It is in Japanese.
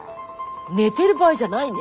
寝てる場合じゃないね。